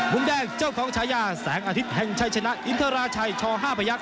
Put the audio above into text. มุมแดงเจ้าของฉายาแสงอาทิตย์แห่งชัยชนะอินทราชัยช๕พยักษ